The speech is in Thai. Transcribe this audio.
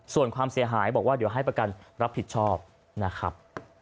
ส่วนความเสียหายบอกว่าเดี๋ยวให้ประกันรับผิดชอบนะครับ